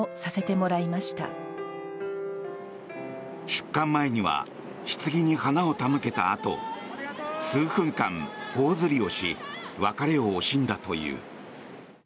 出棺前にはひつぎに花を手向けたあと数分間頬ずりをし別れを惜しんだという。